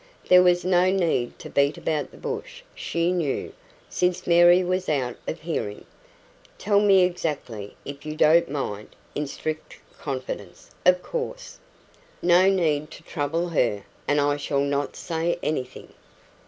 There was no need to beat about the bush, she knew, since Mary was out of hearing. 'Tell me exactly, if you don't mind in strict confidence, of course. No need to trouble her and I shall not say anything."